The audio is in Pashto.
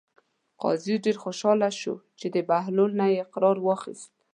قاضي ډېر خوشحاله شو چې د بهلول نه یې اقرار واخیست.